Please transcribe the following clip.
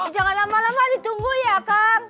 jangan lama lama dicunggu ya kan